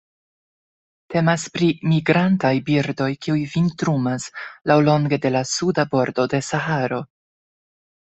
Temas pri migrantaj birdoj, kiuj vintrumas laŭlonge de la suda bordo de Saharo.